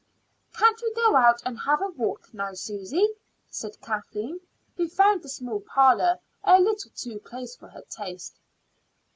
"Can't we go out and have a walk now, Susy?" said Kathleen, who found the small parlor a little too close for her taste.